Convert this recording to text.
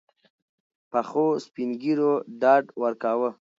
پخوسپین ږیرو ډاډ ورکاوه.